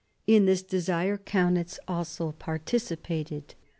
In this desire Kaunitz also participated.